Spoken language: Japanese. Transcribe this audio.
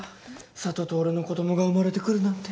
佐都と俺の子供が生まれてくるなんて。